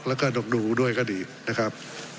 แล้วก็ต้องดูด้วยก็ดีนะครับ